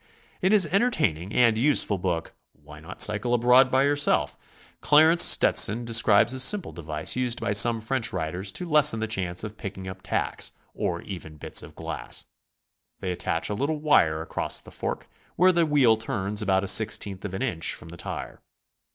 In his entertaining and useful book, "Why Not Cycle Abroad Yourself?" Clarence Stetson describes a simple de vice used by some French riders to lessen the chance of picking up tacks or even bits of glass. They attach a little wire across the fork where the wheel turns, about a sixteenth of an inch from the tire.